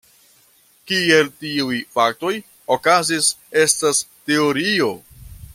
Kiel tiuj faktoj okazis, estas teorio.